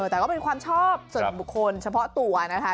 แต่ก็เป็นความชอบส่วนบุคคลเฉพาะตัวนะคะ